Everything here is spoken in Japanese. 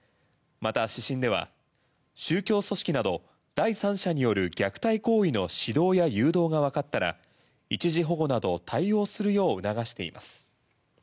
また、指針では宗教組織など第三者による虐待行為の指導や誘導がわかったら一時保護など対応するよう促しています。